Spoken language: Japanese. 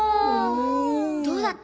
どうだった？